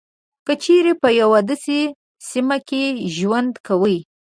که چېري تاسو په یوه داسې سیمه کې ژوند کوئ.